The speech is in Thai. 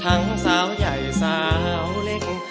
ทั้งสาวใหญ่สาวเล็ก